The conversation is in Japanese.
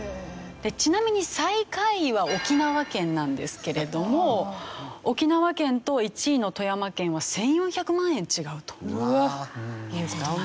ちなみに最下位は沖縄県なんですけれども沖縄県と１位の富山県は１４００万円違うという事なんです。